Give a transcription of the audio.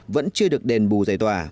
vẫn chưa được đền bù giải tỏa